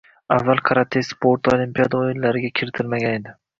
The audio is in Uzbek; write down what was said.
Avval karate sporti olimpiada oʻyinlariga kiritilmagan edi.